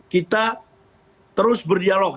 kita terus berdialog